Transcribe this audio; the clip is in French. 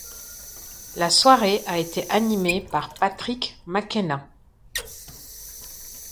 La soirée a été animée par Patrick McKenna.